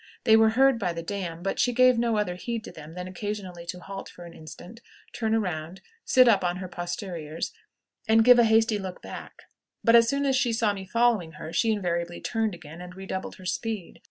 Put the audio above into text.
They were heard by the dam, but she gave no other heed to them than occasionally to halt for an instant, turn around, sit up on her posteriors, and give a hasty look back; but, as soon as she saw me following her, she invariably turned again and redoubled her speed.